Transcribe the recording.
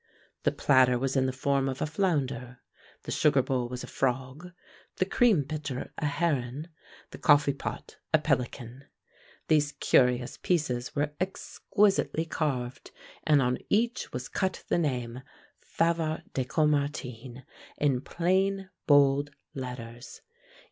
The platter was in the form of a flounder, the sugar bowl was a frog, the cream pitcher a heron, the coffee pot a pelican. These curious pieces were exquisitely carved, and on each was cut the name Favart de Caumartin in plain, bold letters.